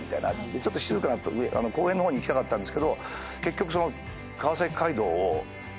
ちょっと静かな公園の方に行きたかったんですけど結局川崎街道を延々。